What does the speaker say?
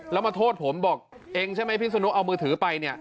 แล้วมาโทษผมบอกเองใช่ไหมพิศนุเอามือถือไปเนี่ย